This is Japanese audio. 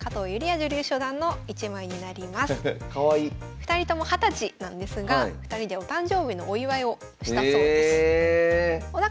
２人とも２０歳なんですが２人でお誕生日のお祝いをしたそうです。